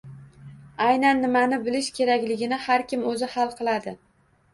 Aynan nimani bilish kerakligini har kim o‘zi hal qiladi.